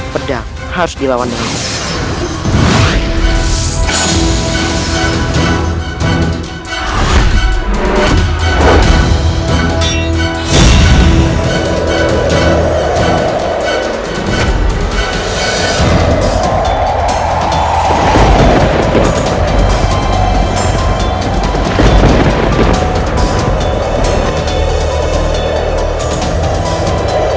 pedang harus dilawan dengan baik